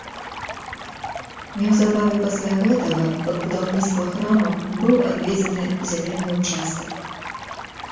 Неўзабаве пасля гэтага пад будаўніцтва храма быў адведзены зямельны ўчастак.